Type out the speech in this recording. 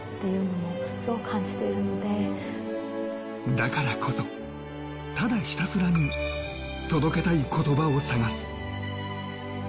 だからこそ、ただひたすらに届けたい言葉を探す。